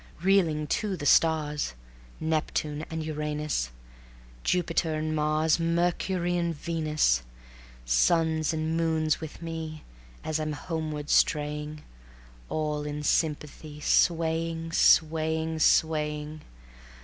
Reeling too the stars, Neptune and Uranus, Jupiter and Mars, Mercury and Venus; Suns and moons with me, As I'm homeward straying, All in sympathy Swaying, swaying, swaying.